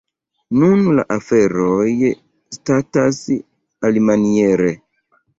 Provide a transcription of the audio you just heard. Nun la aferoj statas alimaniere.